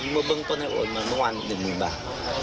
เบื้องต้นได้โอนมาเมื่อวานหนึ่งหมื่นบาท